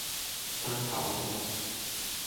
生炒骨